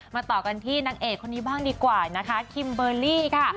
ต่อกันที่นางเอกคนนี้บ้างดีกว่านะคะคิมเบอร์รี่ค่ะ